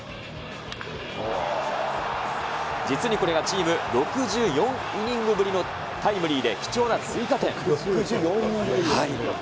実にこれがチーム６４イニングぶりのタイムリーで、貴重な追加点。